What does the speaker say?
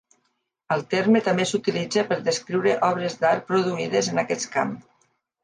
El terme també s'utilitza per descriure obres d'art produïdes en aquest camp.